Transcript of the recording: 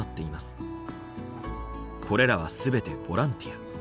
これらはすべてボランティア。